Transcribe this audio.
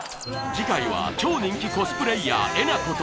次回は超人気コスプレイヤーえなこと